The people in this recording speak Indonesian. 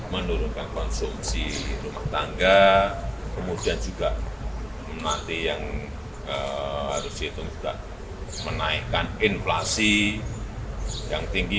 menurunkan konsumsi rumah tangga kemudian juga nanti yang harus dihitung juga menaikkan inflasi yang tinggi